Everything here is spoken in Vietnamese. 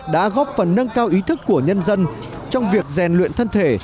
đã góp phần nâng cao ý thức của nhân dân trong việc rèn luyện thân thể